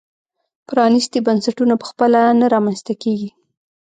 پرانیستي بنسټونه په خپله نه رامنځته کېږي.